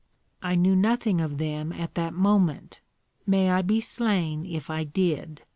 "I knew nothing of them at that moment, may I be slain if I did!